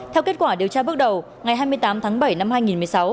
theo kết quả điều tra bước đầu ngày hai mươi tám tháng bảy năm hai nghìn một mươi sáu